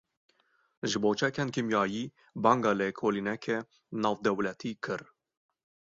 Ji bo çekên kîmyayî banga lêkolîneke navdewletî kir.